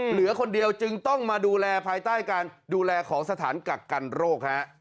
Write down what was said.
เหลือคนเดียวจึงต้องมาดูแลภายใต้การดูแลของสถานกักกันโรค